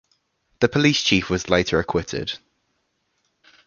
The police chief was later acquitted.